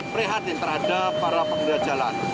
prihatin terhadap para pengguna jalan